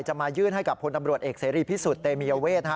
จะมายืนให้กับผลอำรวจเอกเสรีพิสุดตะเมียเวชฮะ